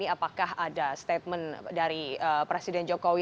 apakah ada statement dari presiden jokowi